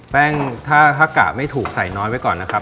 แป้งถ้ากะไม่ถูกใส่น้อยไว้ก่อนนะครับ